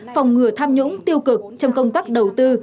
phòng ngừa tham nhũng tiêu cực trong công tác đầu tư